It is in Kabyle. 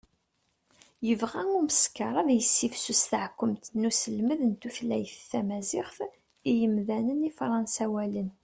yebɣa umeskar ad yessifsus taɛekkumt n uselmed n tutlayt tamaziɣt i yimdanen ifransawalen